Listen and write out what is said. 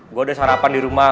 gue udah sarapan dirumah